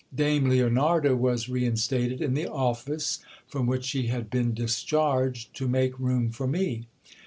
Dame Leonarda was reinstated in the office from which she had been discharged to make room for me.